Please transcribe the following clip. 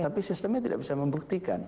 tapi sistemnya tidak bisa membuktikan